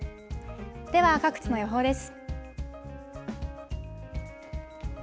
では、各地の予報です。